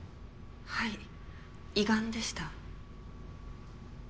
はい胃がんでした。